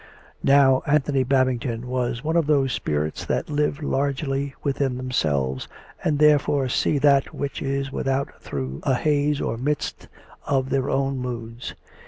" Now Anthony Babington was one of those spirits that live largely within themselves, and therefore s'ee that which is without through a haze or mist of their own moods.